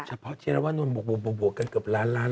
เฉพาะเจรวนลบวกกันเกือบล้านล้าน